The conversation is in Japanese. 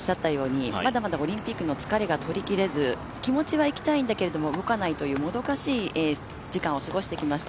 やはりまだまだオリンピックの疲れが取れきれず、気持ちはいきたいんだけども、動かないというもどかしい時間を過ごしてきました。